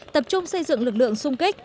tập trung xây dựng lực lượng sung kích